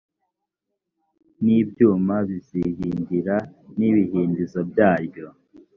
n ibyuma bizihindira n ibihindizo byaryo